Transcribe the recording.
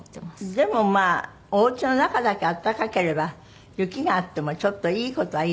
でもまあお家の中だけあったかければ雪があってもちょっといい事はいいですよね。